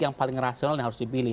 yang paling rasional yang harus dipilih